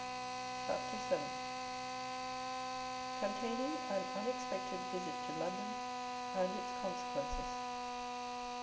CHAPTER VII. _Containing an Unexpected Visit to London, and Its Consequences.